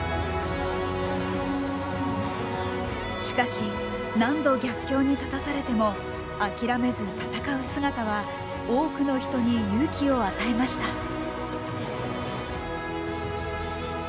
しかし、何度逆境に立たされても諦めず戦う姿は多くの人に勇気を与えました。